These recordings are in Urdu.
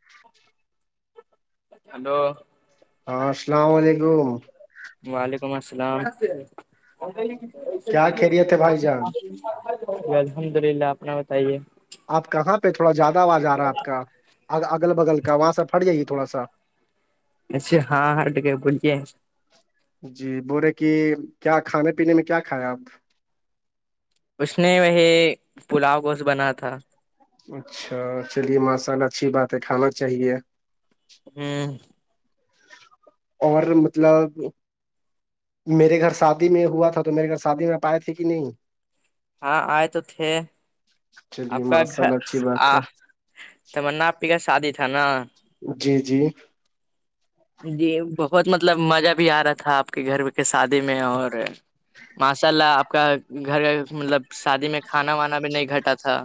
ج [unintelligible] ہلو ہاں السلام علیکم وعلیکم السلام کیا خیریت ہے بھائی جان الحمد للہ اپنا بتائیے آپ کا کہاں پہ تھوڑا زیادہ آواز آ رہا ہے آپ کا اگل بگل کا وہاں س پھٹ جائیے تھوڑا سا اچھا ہاں ہاںٹک بولیے جی بول رہے کہ کیا کھانے پینے میں کیا کھاائے آپ اس نے وہ پلاؤ گوشت بنا تھا اچھا چلیے ماشاء اللہ اچھی بات ہے کھانا چاہیے ہوں اور مطلب میرے گھر شادی میں ہ ہوا تھا تو میرے گھر شادی میں پاائے تھے کہ نہیں ہاں آئے تو تھے آپ چلیے کا ماشاء گھر اللہ اچھی آ بات ہے تمر ناپی کا شادی تھا نا جی جی جی بہت مطلب مزہ بھی آ رہا تھا آپ کے گھر کے شادی میں اور ماشاء اللہ آپ کا گھر مطلب شادی میں کھانا وانا بھی نہیں گھٹا تھا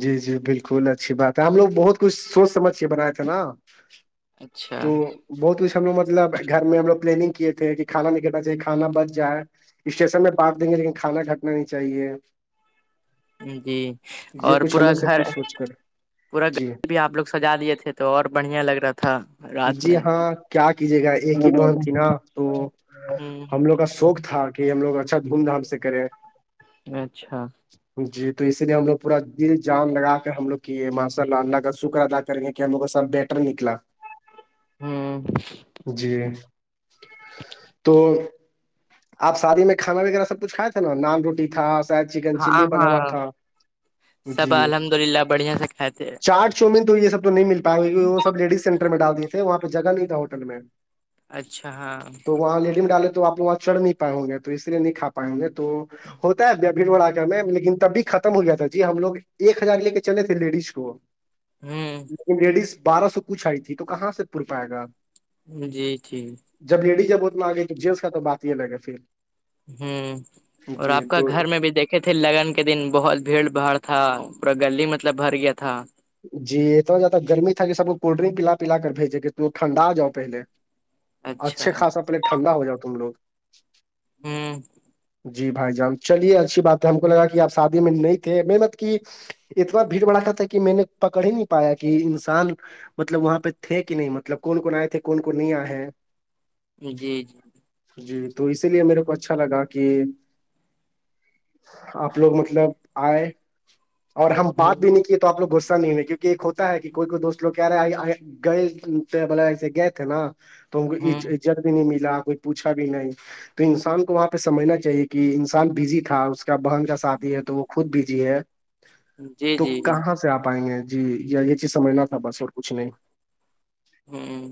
جی جی بالکل اچھی بات ہے ہم لوگ بہت کچھ سوچ سمجھ کے بناائے تھے نا اچھا تو بہت کچھ ہم لگ مطلب گھر میں ہم لوگ پلاننگ کیے تھے کہ کھانا نہیں کنا چاہیے کانا بچ جائے اسٹیشن میں بانپ دیں گے لیکن کھانا گھٹنا نہیں چاہیے جی یہ اور کچھ ہم پورا لوگ سب گھر کچھ سوچ کر پورا جی گھر بھی آپ لوگ سجا دیے تھے تو اور بڑھیا لگ رہا تھا رات جی میں ہاں کیا کیجے گا ہ ایک ہی بہن تھی نا تو ہم لوگ کا شوق تھا کہ ہم لوگ اچھا دھوم دھام سے کریں اچھا جی تو اس لیے ہم لوگ پورا دل جان لگا کر ہم لوگ کیے ماشاء اللہ اللہ کا شکر ادا کریںے کہ ہموگ کا سب بیٹر نکلا ہاں جی تو آپ شادی میں کھانا وغیرہ سب کچھ کھائے تھ تھا نا نان روٹی تھا شاید چکن ہاں چلی بنا ہاں ہوا تھا سب جی الحمد للہ بڑھیا سے کھاتے ہیں۔ چاٹ چومین تو یہ سب تو نہیں مل پائے گا وہ سب لیڈیز سینٹر میں ڈال دیے تھے وہاں پہ جگہ نہیں تھا ہوٹل میں اچھا ہاں تو وہاں لیڈی نکالے تو آپ وہاں چڑھ نہیں پاائے ہوں گے تو اس لیے نہیں کا پائیں گے تو ہوتا ہے بھیڑ بھڑا کر میں لیکن تب بھی ختم ہو گیا تھا جی ہم لو ایک ہزار لے کے چلے تھے لیڈیز کو [inaudible] ہوں لیکن لیڈیز بارہ سو کچھ آئی تھی تو کہاں سے پ پائے گا جی ٹھیک جب لیڈی جبت م آگئی تو جینس کا تو بات یہ لگےا پھر ہوں اور جی آپ کا تو گھر میں بھی دیکھ رکھ تھے لگن کے دن بہت بھیڑ بھاڑ تھا پورا گلی مطلب بھر گیا تھا جی اتنا زیادہ گرمیی تھا کہ سب کولڈ ڈرنک پلا پیلا کر بھیجے کہ ھنڈا جاؤہلے اچھا اچھے خاصا پل ٹھنڈا ہو جاؤ تم لوگ ہوں جی بھائی جان چلیے اچھی بات ہے ہم کو لگا کہ آپ شادی میں نہیں تھے محنت کی اتنا بھیڑ بڑا تھا کہ میں نے پکڑ ہی نہیں پایا کہ انسان مطلب وہاں پہ تھے کہ نہیں مطلب کون کون آئے تھے کون کون نہیں آئے ہیں جی جی جی تو اسی لیے میرے کو اچھا لگا کہ آپ لوگ مطلب آئے اور ہم بات بھی نہیں ہ کیے تو آپ لوگ غصہ نہیں ہے کیونکہ ایک ہوتا ہے کہ کوئی کوئی دوست لو کہہ رہے آ گئے تھے بولے ایسے گئے تھے نا تو ہم کو عزت بھی نہیں ملا کوئی پوچھا بھی نہیں تو انسان کو وہاں پہ سمجھنا چاہیے کہ انسان بزی تھا اس کا بہن کا ساتھی ہے تو وہ خود بزی ہے جی تو جی کہاں سے آپ آئیں گے جی یہ چیز سمجھنا تھا بس اور کچھ نہیں ہوں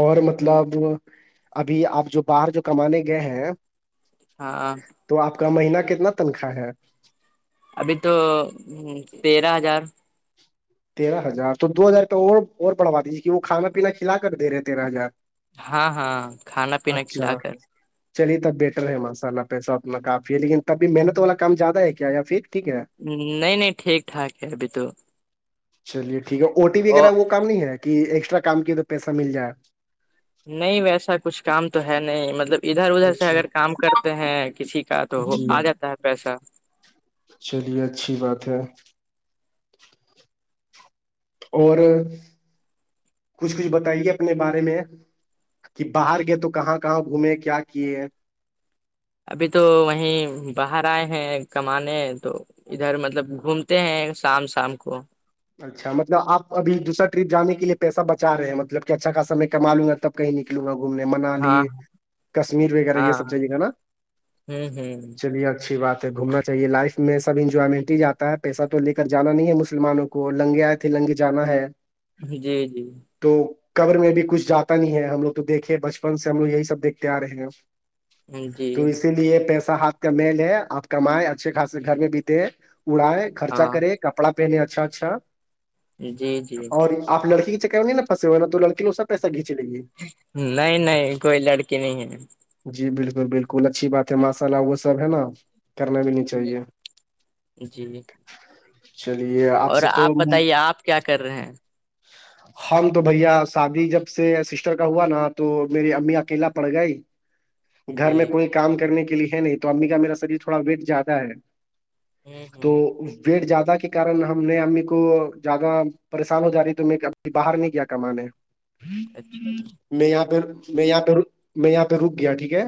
اور مطلب ابھی آپ جو باہر جو کمانے گئے ہیں ہاں تو آپ کا مہینہ کتنا تنخواہ ہے ابھی تو تیرہ ہزار تیرہ ہزار تو دو ہزار تو اور بڑھوا دیجیے کہ وہ کھا پینا کھلا کر دے ہیں تیرہ ہزار ہاں ہاں کھانا پینا کھلا اچھا کر چلیے تب بیٹر ہے ماشاء اللہ پیسہ اتنا کافی ہے لیکن تبھی محنت والا کام زیادہ ہے کیا یا پھر ٹھیک ہے نہیں نہیں ٹھیک ٹھاک ہے ابھی تو چلیے ٹھیک ہے او ٹی پی وغیرہ وہ کام نہیں ہے کہ ایکسٹرا کام کی تو پیسہ مل جائے نہیں ویسا کچھ کام تو ہے نہیں مطلب ادھر ادھر سے اچھا اگر کام کرتے ہیں کسی کا تو جی آ جاتا ہے پیسہ چلیے اچھی بات ہے [inaudible] اور کچھ کچھ بتائیے اپنے بارے میں کہ باہر گئے تو کہاں کہاں گھومے کیا کیے ہیں ابھی تو وہیں باہر آئے ہیں کمانے تو ادھر مطلب گھومتے ہیں شام شام کو اچھا مطلب آ ابھی دوسر ٹرپ جان کے لیے پیسہ بچاے ہیں مطلب کہ اچھا خاصے کما لوں گا تب کہیں نکلوں گا گھومنے منالی ہاں کشمیر وغیرہ یہ ہاں سب جاہے گا نا ہوں ہوں چلیے اچھی بات ہے گھومنا چاہیے لائف میں سب انجوائمنٹ ہی جاتا ہے پیسہ تو لے کر جانا نہیں ہے مسلمانوں کو کو لنگے آئے تھے لنگے جانا ہے جی جی تو کبور میں بھی کچھ جاتا نہیں ہے ہم لوگ تو دیکھے بچپن سے ہم لوگ یہی سب دیکھتے آ رہے ہیں جی تو اسی لیے پیسہ ہ میل ہے آپ کمائائے اچھے خاصے گھر میں بیتے اڑائے خرچا ہاں کرے کپڑا پہنے اچھا اا اچھا جی جی اور آپ لڑکی کے چکر میں نہیں نا پنسے ہوئے نا تو لڑکی اس سے پیسہ کھینچے لی نہیں نہیں کوئی لڑکی نہیں ہے جی بالکل بالکل اچھی بات ہے ماشاء اللہ وہ سب ہے نا کرنا بھی نہیں چاہیے جی چلیے آپ سے بتائیے آپ کیا کر رہے ہیں ج ہم تو بھیا شادی جب سے سسٹر کا ہوا نا تو میری امی اکیلا پڑ گئی گھر میں جی کوئی کام کرنے کے لیے ہے نہیں تو امی کا میرا شریر تھوڑا ویٹ زیادہ ہے ہ تو ہ ویٹ زیادہ کے کار ہم نہیںمی کو زیادہ پریشان ہو جا رہی ت میںبھی باہر نہیں کیا کمانے اچھا ج میں یہاں پہ میں یہاں پہ میں یہاں پہ رک گیا ٹھیک ہے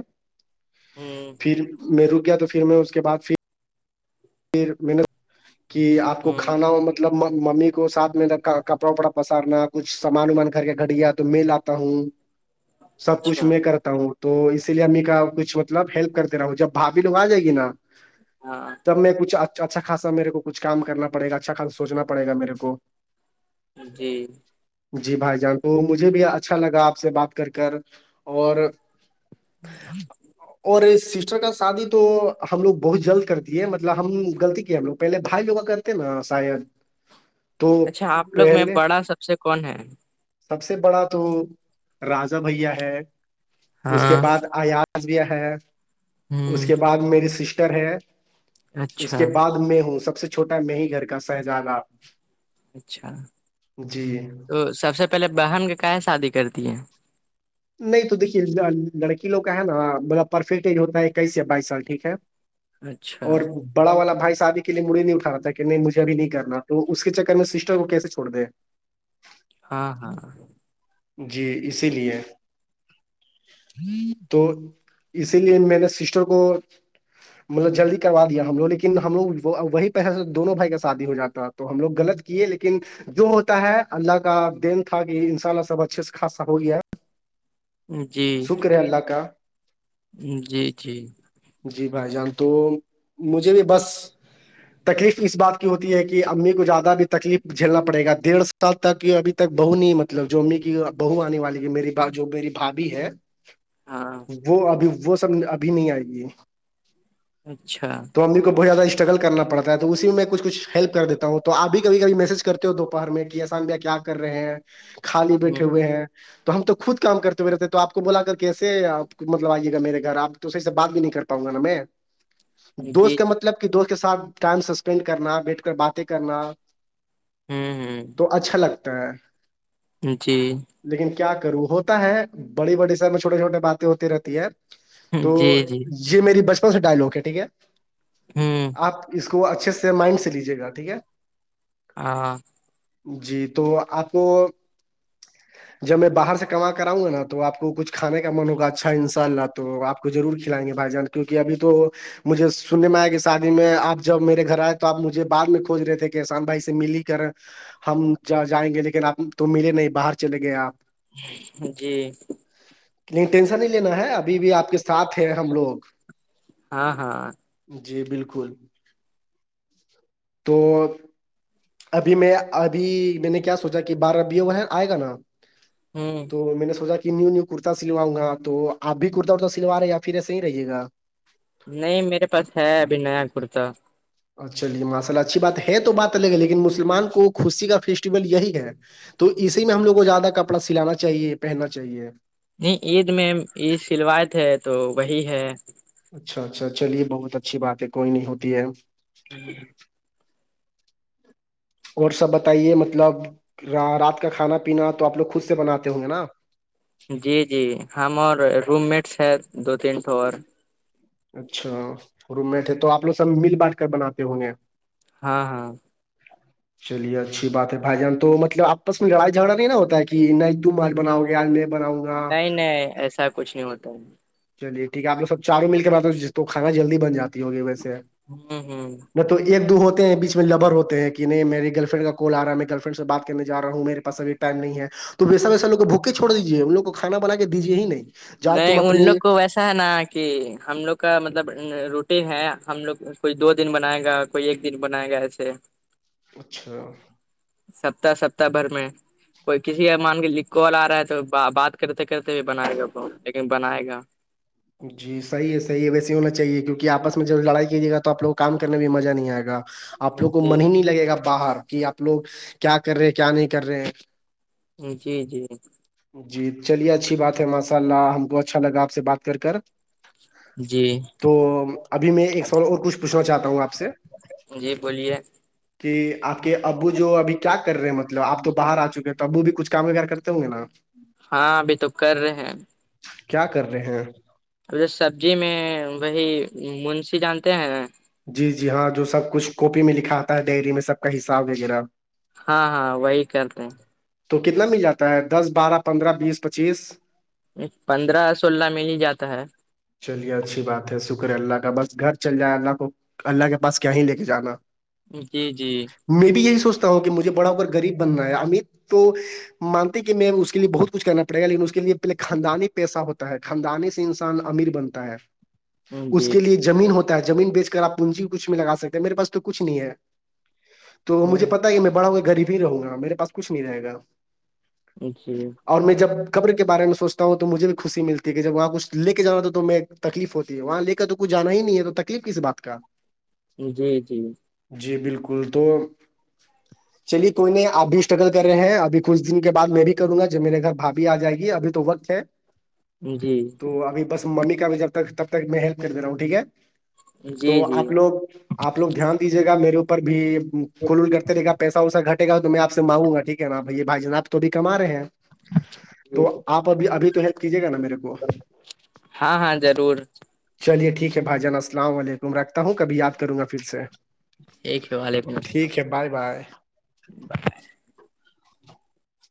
ہ پھر میں رک گیا تو پھر میں اس کے بعد پھر پھر میں نے کہ آپ کو ہ کھانا مطلب مطلب ممی کو سھ میں کپڑا وپڑا پسارنا کچھ سامان وامان گھر کے گھڑیا تو میں لاتا ہوں سب کچھ اچھا میں کرتا ہوں تو اسی لیے امی کا کچھ مطلب ہیلپ کرتے رہا ہوں جب بھاابھی لوگ آ جائے گی نا ہاں تب میں کچھ اچھا خاصا میرے کو کچھ کام کرنا پڑے گا اچھا خا سوچنا پڑےا میرے کو جی جی بھائی جان کو مجھے بھی اچھا لگا آپ سے بات کر کر اور [unintelligible] اور سسٹر کا شادی تو ہم لوگ بہت جلد کرتی ہے مطلب ہم غلطی کی ہم لگ پہلے بھائی لوگ کا کرتے ہیں نا شاید تو اچھا آپ لوگ میں پہلے بڑا سب سے کون ہے سب سے بڑا تو راجا بھیا ہے اس کے ہاں بعد ایازیا ہے ہ اس کے بعد میری سسٹر ہے اس کے اچھا بعد میں ہوں سب سے چھوٹا میں ہی گھر کا سہزانہ اچھا تو سب سے پہلے بہن کے کہاں شادی کرتی ہے نہیں تو دیکھیے لڑکی لوگ کا ہے نا مطب پرفیکٹ ایج ہوتا ہے اکیس سےیا بائیس سال ٹھیک ہے اچھا اور کو بڑا والا بھائی شادی کے لیے مڑے نہیں اٹھا تھا کہ نہیں مجھے اب نہیں کرنا تو اس کے چکر میں سسٹر کو کیسے چوڑ دے تو ہاں ہاں جی اسی لیے ہ تو اسی لیے میں نے سسٹر کو مطلب جلدی کروا دیا ہم لوگ لیکن ہم لوگ وہی پیسے سے دونوں بھائی کا شادی ہو جاتا تو ہم لوگ غلط کیے لیکن جو ہوتا ہے اللہ کا دین تھا کہ انشاء اللہ سب اچھے سے خاصا ہو گیا ہے جی سکر ہے اللہ کا جی جی جی بھائی جان تو مجھے بھی بس تکلیف اس بات کی ہوتی ہے کہ امی کو زیادہ بھی تکلیف جھیلنا پڑے گا دڑ سے سال تک اھی تک بہو نہیں مطلب جو امی کی بہو آنے والی ہے میری جو میری بھابھی ہے ہاں وہ ابھی وہ سب ابھی نہیں آئے گی اچھا تو امی کو بہت زیادہ اسٹرگل کرنا پڑتا ہے تو اسی میں کچھ کچھ ہیلپ کر دیتا ہوں تو آبھی کبھی کھی میج کرتے ہو دوپہر میں کہ کیسان بھیا کیا کر رہے ہیں خالی ہ بیٹھے ہوئے ہیں تو ہم تو خود کام کرتے ہوئے رہتے تو آپ کو بلا کر کیسے آپ مطلب آئیے گا میرے گھر آپ تو صح سے بات بھی نہیں کراں گا نا میں دوست جی کا جی مطلب کہ دوست کے ساتھ ٹائم اسپینڈ کرنا بیٹھ کر باتیں کرنا ہوں تو ہ اچھا لگتا ہے جی لیکن کیا کروں ہوتا ہے بڑی بڑی سم میں چھوٹے چھوٹے باتیں ہوتی رہتی ہے تو جی جی یہ میری بچپن سے ڈائلگ ہے ٹھیک ہے ہوں آپ اس کا کو اچھے سے مائنڈ سے لیجیےا ٹھیک ہے ہاں جی تو آپ کو جب میں باہر سے کما کراؤ گا نا تو آپ کو کچھانے کا من ہوگا اچھا ان شاء اللہ تو آپ کو ضور کلائیں گے بھائی جان کے کیونکہ ابھی تو مجھے سننے میں آیا کہ شادی میں آپ جب میرے گھر آئے تو آپ مجھے بع میں کوج رہے تھے کہ اسان بھائی سے ملی کر ہم جائیں گے لیکن آپ تو ملے نہیں باہر چلے گئے آپ جی نہیں ٹینشن نہیں لینا ہے ابھی بھی آپ کے ساتھ ہیں ہم لوگ ہاں ہاں جی بالکل تو ابھی میں ابھی میں نے کیا سوچا کہ بارہ بھیو ہے آئے گا نا ہوں تو میں نے سوچا کہ نیو نیو کرتا سلواؤ گا توپ بھی کرتا رتا سلواے یا پھر ایے ہی رہیےا نہیں میرے پاس ہے ابھی نیا کرتا چلیے ماشصالہ اچھی بات ہے تو بات الگ ہے لیکن مسلمان کو خوشی کا فیسٹیول یہی ہے تو اسی میں ہم لو کو زیادہ کپڑا سلانا چاہیے پہننا چاہیے نہیں عید میں عید سلویت ہے تو وہی ہے اچھا اچھا چلیے بہت اچھی بات ہے کوئی نہیں ہوتی ہے ج [unintelligible] اور سب بتائیے مطلب رات کا کھانا پینا تو آپ لوگ خود سے بناتے ہوں گے نا جی جی ہم اور روم مٹس ہے دو تین ٹور اچھا روم مٹ ہے تو آپ لوگ سب مل بانٹ کر بناتے ہوں گے ہاں ہاں چلیے اچھی بات ہے بھائی جان تو مطلب آپس میں لڑائی جھگڑا نہیں نا ہوتا ہے کہ تم آج بناؤ گے ج میں بناؤں گا نہیں ایسا کچھ نہیں ہوتا تو [unintelligible] چلیے ٹھیک ہے آ لو سب چاروں مل کے بات ج کھانا جلدی بناتی ہوگی ویسے ہوں ہوں تو ایک دو ہوتے ہیں بیچ میں لبر ہوتے ہیں کہ نہیں میرے گرل فرینڈ کا کال آ رہا ہے میں گرل فرینڈ سے بات کر جا رہا ہوں میرے پاس ایک پین نہیں ہے تو ویسا ویساوگ بھوکے چھڑ دیجیے انوگ کو کھانا بنا کے دیجیے ہی نہیں جاؤ تم نہیں ان اپنی لوگ کو ویسا ہے نا کہ ہم لوگ کا مطلب روٹی ہے ہم لوگ کچھ دو دن بنائے گا کوئی ایک دن بنایا گیا ایسے اچھا سپتہ سپتہ بھر میں کوئی کسی کا مان کے ل کال آ رہا ہے تو بات کرتے کرتے بنائے گا کو لیکن بنائے گا جی صحی ہے صحیح ہے ویسے ہونا چاہیے کیونکہ آپس میں جب لڑائی کیجیے گا تو آپ لگ کو کام کرنے میں مزہ نہیں آئے گا آپ لوگ کو جی من ہی نہیں لگے گا باہر کہ آپ لوگ کیا کر رہے ہیں کیا نہیں کر رہے ہیں جی جی جی چلیے اچھی بات ہے ماشاء اللہ ہم کو اچھا لگا آپ سے بات کر کر جی تو ابھی میں ایک سوال اور کچھ پوچھنا چاہتا ہوں آپ سے جی بولیے کہ آپ کے ابو جو ابھی کیا کر رہے ہیں مطلب آپ تو باہر آ چکے ہیں تو ابو بھی کچھ کام وغیر کرتے ہوں گے نا ہاں ابھی تو کر رہے ہیں کیا کر رہے ہیں اب جو سبزی میں وہی منشی جانتے ہیں نا جی جی ہاں جو سب کچھ کاپی میں لکھا آتا ہے ڈائری میں سب کا حساب وغیرہ ہاں ہاں وہی کرتے ہیں تو کتنا مل جاتا ہے دس بارہ پندرہ بیس پچیس پندرہ سولہ میں نہیں جاتا ہے چلیے اچھی بات ہے شکر ہے اللہ کا بس گھر چل جائے اللہ کو اللہ کے پاس کیا ہی لے کے جانا جی جی میں بھی یہی سوچتا ہوں کہ مجھے بڑا ہو کر غریب بننا ہے امت تو مانتی کہ میم اس کے لیے بہت کچھ کرنا پڑے گا لیکن اس کے لیے پے خاندانی پیہ ہوتا ہے خدانے سے انسان امیر بنتا ہے اس جی جی کے لیے جو جمین ہوتا ہے زمین بیچ کر آپوننجی کچھ میں لگا سکتے میرےاس تو کچھ نہیں ہے تو مجھے پتا ہے کہ میں بڑاوںا غب ہی رہوں گا میرے پاس کچھ نہیں رہےا اچھی اور میں جب قبر کے بار میں سوچتا ہوں تو مجھے بھی خوشی ملتی ہے کہ جب وہاں کچھ لے کے جانا تو میں تکلیف ہوتی ہے وہاں لے کر تو کچھ جانا ہی نہیں ہے تو تکلیف کس بات کا جوئی جی جی بالکل تو چلیے کوئی نے ابھی اسٹرگل کر رہے ہیں ابھی کچھ دن کے بد میں بھی کروں گا جب میرے گھر بھابھی آ جائے گی ابھی تو وقت ہے جی تو ابھی بس ممی کا جب تک تب تک میں ہیلپ کر د رہا ہوں ٹھیک ہے تو جی جی جی آپ لوگ آپ لوگ دھیان دیجیے گا میرے اوپر بھی کھل ول کرتے دیکا پیسا وسا گٹے گا تو میں آپ سے مانگوں ٹھیک ہے نا بھ یہ بھائی جان آپ تو ابھی کما رہے ہیں تو آپ ابھی ابھی تو ہیلپ کیجیے گا نا میرے کو ہاں ہاں ضرور چلیے ٹھیک ہے بھا جان اللام علیکم رکھتا ہوں کبھی یاد کروں گا پھر سے ٹھیک ہے وعلیکم السلام ٹھیک ہے بائے بائے [inaudible]